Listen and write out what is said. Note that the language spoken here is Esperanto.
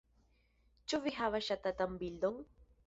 Ĉu vi havas ŝatatan bildon?